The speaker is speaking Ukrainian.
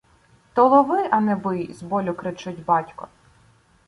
- То лови, а не бий!- з болю кричить батько.